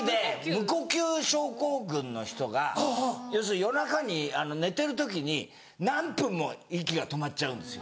無呼吸症候群の人が要するに夜中に寝てる時に何分も息が止まっちゃうんですよ。